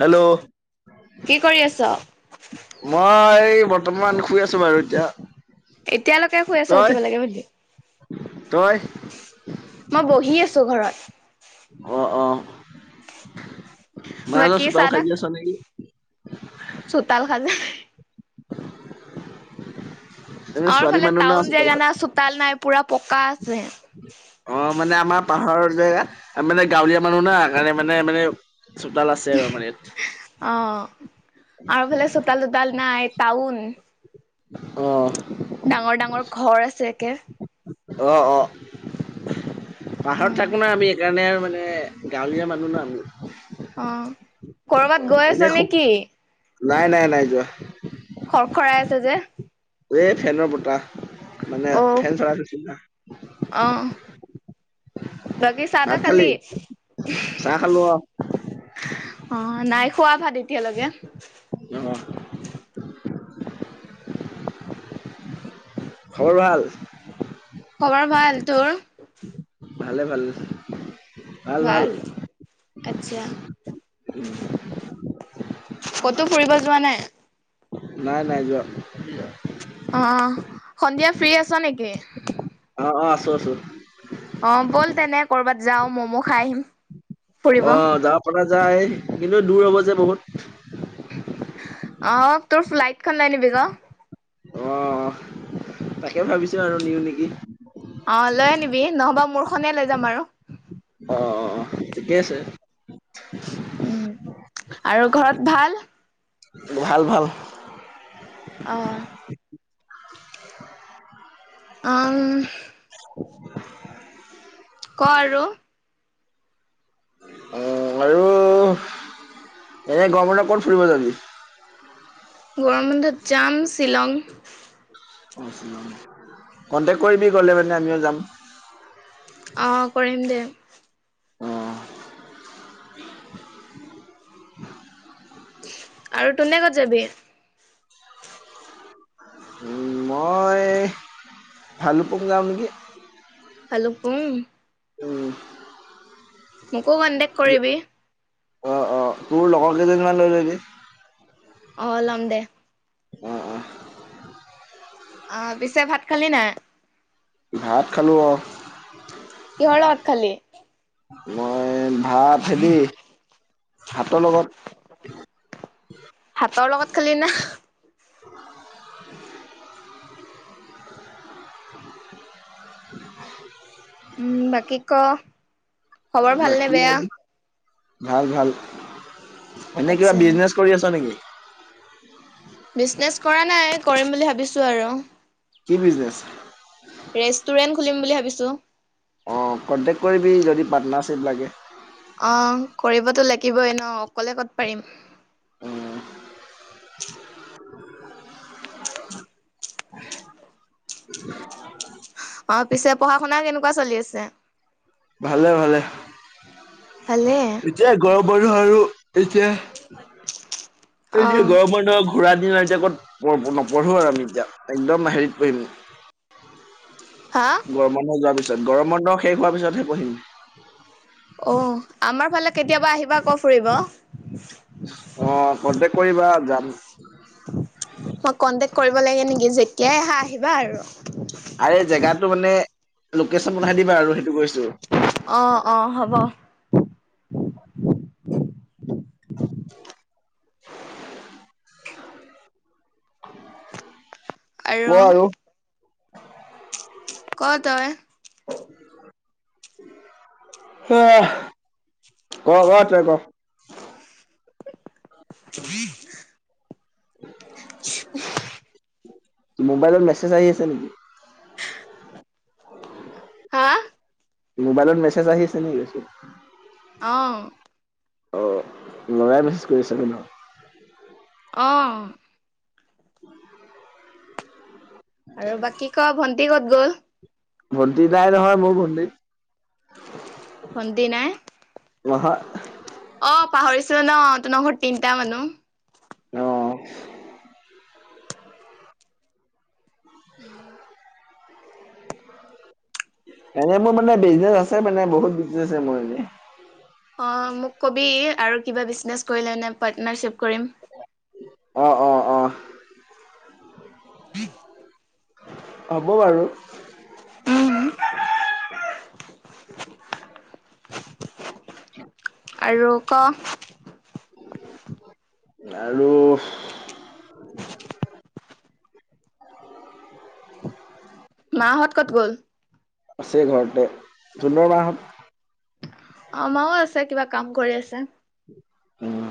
Hello কি কৰি আছ? মই এই অলপমান শুই আছোঁ বাৰু এতিয়া এতিয়ালৈকে শুই আছ তই উঠিব লাগে বুলি তই মই বহি আছো ঘৰত অ অ মায়া বাকী চোতাল খাৰি আছ নেকি চতাল খাজান এনে আমাৰ ছোৱালী ফালে মানুহ না টাউন চোতাল জেগা সাৰি না চোতাল নাই পুৰা পকা আছে। অ মানে আমাৰ পাহাৰৰ জেগা মানে গাঁৱলীয়া মানুহ না কাৰণে মানে মানে চোতাল আছে আৰু আমাৰ ইয়াত অ আৰু ফালে চোতাল তোতাল নাই তাউন অ ডাঙৰ ডাঙৰ ঘৰ আছে একে অ অ পাহাৰত উম থাকো ন আমি এইকাৰণে আৰু মানে গাঁৱলীয়া মানুহ নহ আম অ কৰবাত গৈ এনে আছা নে কি নাই নাই নাই যোৱা খৰ খৰাই আছে যে এ ফেনৰ বতাহ মানে অ ফেন চলাই থচিলো অ বাকী চাহ তাহ খালি চাহ খালো অ অ নাই খোৱা ভাত এতিয়ালৈকে অ খবৰ ভাল খবৰ ভাল তোৰ ভালে ভালে ভাল ভাল আচ্ছা ক'তো ফুৰিব যোৱা নাই নাই নাই যোৱা নোৱা অ সন্ধিয়া ফ্ৰ্ৰী আছা নেকি অ আছো আছো অ ব'ল তেনে কৰ'বাত যাও মম' খাই আহিম ফুৰিব অ যাব পৰাা যায় কিন্তু দূৰ হব যে বহুত আহ তোৰ ফ্লাইটখন লয় আনিবি আকৌ অ', তাকে ভাবিছো আৰু নিওঁ নেকি। অ', লৈ আনিবি নহবা মোৰখনেই লৈ যাম আৰু। অ', অ', অ', ঠিকেই আছে [inaudible] উম, আৰু ঘৰত ভাল?। ভাল-ভাল [inaudible] অ'। অম ক আৰু। অ আৰু এনে গমেণ্টৰ ক'ত ফুৰিব যাবি গৰম বন্ধত যাম শ্বিলং কন্টেকট কৰিবি গলে মানে আমিও যাম অ কৰিম দে অ আৰু তহতে ক'ত যাবি উম, মই ভালু পং যাওঁ নেকি ভালুকপুং উম মোকো কণ্টেক কৰিবি। অ', অ', তোৰ লগৰ কেইজনীমান লৈ লবি। অ', লম দে। অ', অ [inaudible] অ', পিছে ভাত খালি নাই?। ভাত খালোঁ অ। কিহৰ লগত খালি?। [inaudible] মই এ ভাত হেদি, ভাতৰ লগত [inaudible] কালিনা [inaudible] [inaudible] [inaudible] উম, বাকী ক। খবৰ ভালনে বাকী বেয়া? আৰু, ভাল-ভাল [inaudible] এনেই কিবা আচ্ছা। বিজনেচ কৰি আছ নেকি?। বিজনেচ কৰা নাই, কৰিম বুলি ভাবিছো আৰু। কি বিজনেছ ৰেষ্টুৰেন্ট খুলিম বুলি ভাবিছো। অ', কণ্টেক্ট কৰিবি যদি পাৰ্টনাৰশ্বিপ লাগে। অ', কৰিবতো লাগিবই ন অকলে ক'ত পাৰিম। উম [inaudible] [inaudible] [inaudible] আৰু পিছে পঢ়া শুনা কেনেকুৱা চলি আছে?। ভালে-ভালে। ভালে। এতিয়া গৰম বন্ধ আৰু এতিয়া, এতিয়া অ', গৰম বন্ধ ঘূৰা দিন - - এতিয়া ক'ত ম-নপঢ়ো আৰু আমি এতিয়া, একদম হেৰিত পঢ়িম হা? গৰম বন্ধ যোৱাৰ পিছত, গৰম বন্ধ শেষ হোৱাৰ পিছতহে পঢ়িম। অ', আমাৰ ফালে কেতিয়াবা আহিবা আকৌ ফুৰিব। অ', কনটেক্ট কৰিবা যাম। [inaudible] মই কন্টেক কৰিব লাগে নেকি যেতিয়াই আহা আহিবা আৰু। আৰে জেগাটো মানে, লোকেচন পঠাই দিবা আৰু সেইটো কৰিছোঁ। অ', অ', হ'ব [inaudible] [inaudible] আৰু, ক তই। [inaudible] আহ ক ক তই ক। [inaudible] মোবাইলত মেছেজ আহি আছে নেকি? হা? মোবাইলত মেছেজ আহি আছে নে? অ', অ' ল'ৰাই মেজ কৰিছে ন। অ'। [inaudible] আৰু বাকী ক ভণ্টি ক'ত গ'ল?। ভণ্টি নাই নহয় মোৰ ভণ্টি। ভণ্টী নাই?। ৱহা অ', পাহৰিছোৱে ন তোনৰ ঘৰত তিনটা মানুহ অ [inaudible] [inaudible] এনে মোৰ মানে বিজনেজ আছে মানে বহুত বিজনেজে মোৰ এনে। অ', মোক কবি, আৰু কিবা বিছনেছ কৰিলে নে পাৰ্টনাৰশ্বিপ কৰিম। অ', অ', অ'। [inaudible] হ'ব বাৰু। আৰু ক আৰু মাহঁত ক'ত গ'ল? আছে ঘৰতে, জুনৰ মাহত আমাও আছে কিবা কাম কৰি আছে। উম।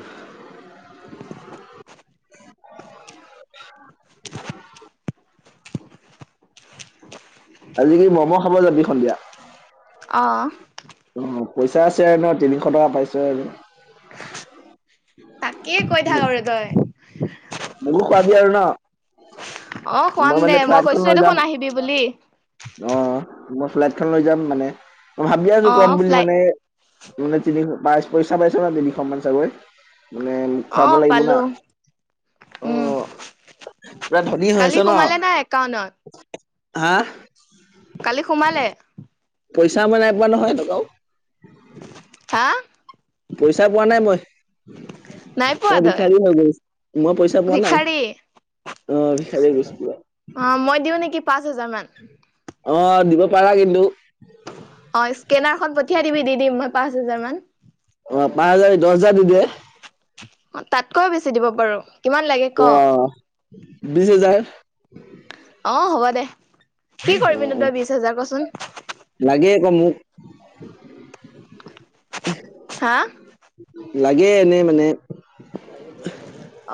আজি কি ম'ম খাব যাবি সন্ধিয়া? অ'। অ, পইচা আছে আৰু ন? তিনিশ টকা পাইছ আৰু। তাকেই কৈ থাক আৰু তই। মোকো খোৱাবি আৰু ন? অ খুৱাম মই দে মানে ফ্লাইটখন কৈছোৱে লৈ যাম, দেখোন আহিবি বুলি অ'। মই ফ্লাইট খন লৈ যাম মানে, মই ভাবি আছোঁ অ ক'ম বুলি ফ্লাই মানে, মানে তিনিশ পা পইচা পাইছ ন তিনিশমান চাগৈ? মানে অ খুৱাব লাগিব না। পালো উম অ', পুৰা ধনী হৈ কালি আছ ন? সোমালে নাই একাউন্টত হা? কালি সোমালে। পইচা মানে একবাৰ নহয় এনেকাও? [unintelligible] পইচা পোৱা নাই মই। নাই পোৱা মই তই ভিক্ষাৰী হৈ গৈছো, মই পইচা পোৱা নাই। ভিক্ষাৰী অ ভিক্ষাৰী হৈ গৈছো পুৰা অ', মই দিওঁ নেকি পাঁচ হাজাৰ মান? অ', দিব পাৰা কিন্তু। অ' স্কেনাৰখন পঠিয়াই দিবি, দি দিম মই পাঁচ হাজাৰ মান। অ', পাজাৰ ই দজাৰ দি দে। তাতকৈ বেছি দিব পাৰোঁ। অ', বিছ হেজাৰ। অ' হ'ব দে কি অ কৰিবিনো অ তই বিছ হাজাৰ ক'চোন। লাগে একৌ মোক। হা? লাগে এনেই মানে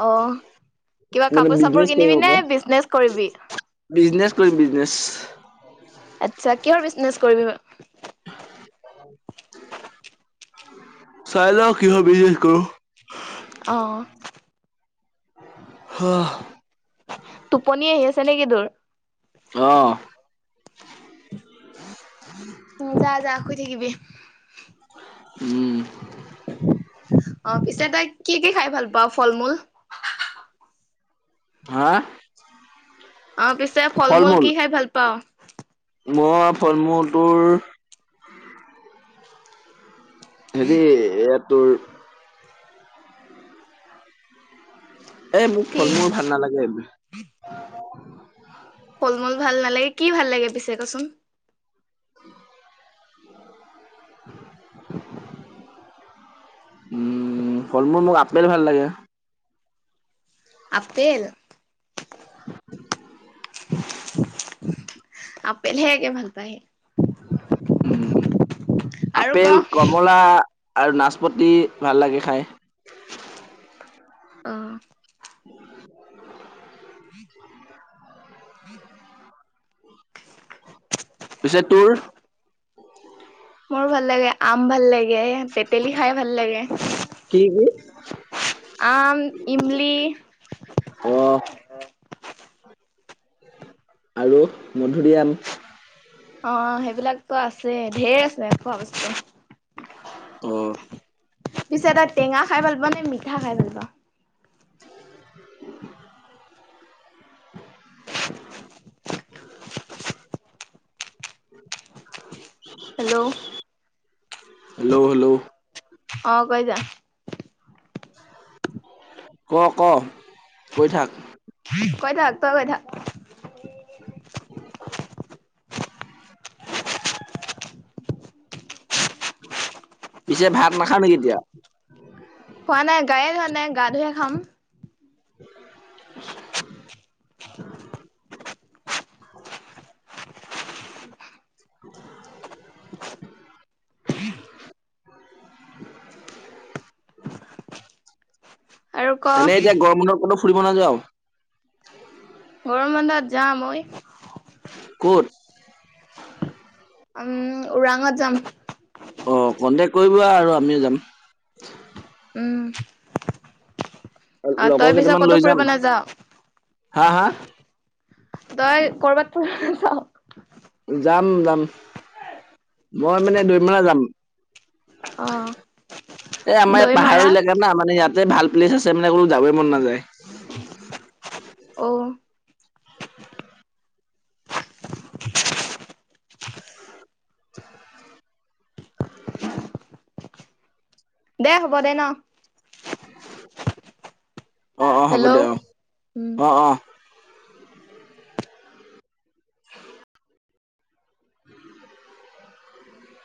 অ'। কিবা মানে কাপোৰ চাপোৰ বিজনেচ কৰিম কিনিবি নে আকৌ বিজনেজ কৰিবি? বিজনেচ কৰিম বিজনেচ আট্ছা কিহৰ বিজনেচ কৰিবি? চাই লওঁ কিহ' বিজনেজ কৰোঁ। অ', হাঁ-হ। পনি আহি আছে নেকি তোৰ? অ'। উ, যা, যা শুই থাকিবি। উম। অ', পিছে তই কি কি খাই ভাল পাৱ ফল-মূল? হা? অ' পিছে ফল মূল কি খাই ভাল পাওঁ? মই ফল মুল তোৰ হেৰি ইয়াত তোৰ এ, মোক কি ফল মূল ভাল নালাগে এইবোৰ। ফল মূল ভাল নালাগে, কি ভাল লাগে পিছে কচোন? [inaudible] উম, ফল মূল মোৰ আপেল ভাল লাগে। আপেল? [inaudible] আপেলহে একে ভাল পায় সি। উম, আৰু ক আপেল, কমলা আৰু নাচপতি ভাল লাগে খাই। অ', [inaudible] [unintelligible] পিছে তোৰ? মোৰ ভাল লাগে আম ভাল লাগে, তেতেলী খাই ভাল লাগে কি কি আম, ইমলি অ আৰু মধুৰিআম? অ, সেইবিলাকতো আছেই, ধেৰ আছে খোৱা বস্তু। অ, পিছে এ তই টেঙা খাই ভাল পাৱ নে মিঠা খাই ভাল পাৱ? [unintelligible] [unintelligible] [inaudible] হেল্ল' হেল্ল'-হেল্ল' অ, কৈ যা ক-ক কৈ থাক। কৈ থাক, তই কৈ থাক। পিছে ভাত নাখাৱঁ নেকি এতিয়া? খোৱা নাই গায়ে ধোৱা নাই গা ধুয়ে খাম [inaudible] [unintelligible] [unintelligible] [unintelligible] আৰু ক এনেই এতিয়া গৰম বন্ধত কতো ফুৰিব নাযাৱ? গৰম বন্ধত যাম অই। [unintelligible] উম ওৰাঙত যাম। অ' কণ্টেকট কৰিব আৰু আমিও যাম। উম। অ' লগৰ তই পিছ কেইটামান ক'তো লৈ যাম ফুৰিব নাযাও? হা হা তই কৰবাত [unintelligible] যাম যাম মই মানে দুই মেলা যাম। অ এ আমাৰ ইয়াত দৈ মাৰা পাহাৰৰলোকা না মানে ইয়াত তে ভাল প্লেচ আছে, মানে কতো যাবই মন নাযায়। অ', [unintelligible] দে হব দে ন? অ'-অ' হব হেল্ল' দে উম অ'-অ' [unintelligible]